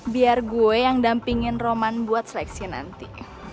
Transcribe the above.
biar gue yang dampingin roman buat seleksi nanti